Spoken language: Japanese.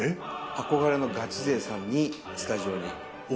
憧れのガチ勢さんにスタジオに俺？